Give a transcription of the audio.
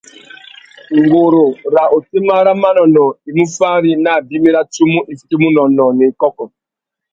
Nguru râ otémá râ manônōh i mú fári nà abimî râ tsumu i fitimú unônōh nà ikôkô.